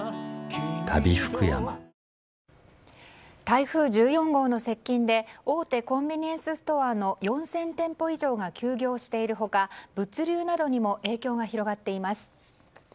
台風１４号の接近で大手コンビニエンスストアの４０００店舗以上が休業しているほか物流などにも影響が広がっています。